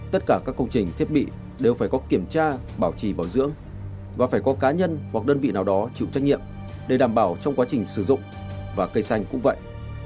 tất cả các công trình thiết bị đều phải có kiểm tra bảo trì bảo dưỡng và phải có cá nhân hoặc đơn vị nào đó chịu trách nhiệm để đảm bảo trong quá trình sử dụng và cây xanh cũng vậy